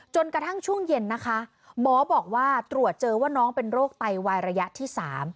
จนกระทั่งช่วงเย็นนะคะหมอบอกว่าตรวจเจอว่าน้องเป็นโรคไตวายระยะที่๓